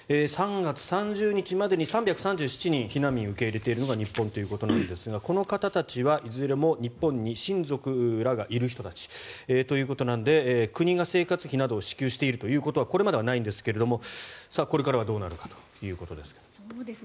３月３０日までに３７７人避難民を受け入れているのが日本のようですがこの方々はいずれも日本に親族の方がいる人たちということなので国が生活費などを支給しているということはこれまではないんですがこれからはどうなるのかということですが。